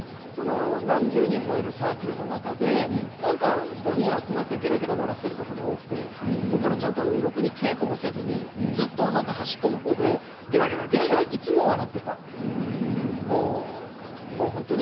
何十人もいるサークルの中でなんか５人集まってげらげら笑っていることが多くて僕はろくに稽古もせずにずっと端っこの方でげらげらといつも笑っていたんです。